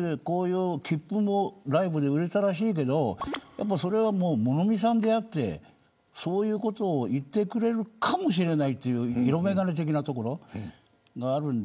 ライブの切符も売れたらしいけどそれは物見遊山であってそういうことを言ってくれるかもしれないという色眼鏡的なところがあるので。